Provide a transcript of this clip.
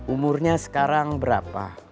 umurnya sekarang berapa